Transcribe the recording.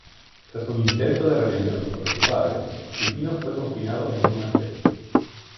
Tras un intento de rebelión contra su padre, Pipino fue confinado en un monasterio.